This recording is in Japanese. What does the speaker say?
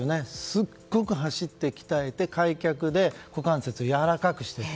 すごく走って鍛えて開脚で股関節をやわらかくして。